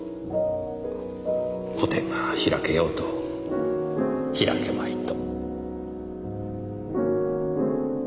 個展が開けようと開けまいと。